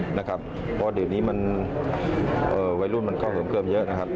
เพราะเดี๋ยวนี้มันวัยรุ่นมันเข้าเสริมเพิ่มเยอะนะครับ